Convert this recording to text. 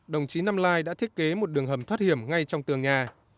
đồng chí năm lai đã thiết kế một đường hầm thoát hiểm ngay trong tường nhà